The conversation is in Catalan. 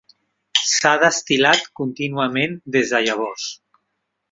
S'ha destil·lat contínuament des de llavors.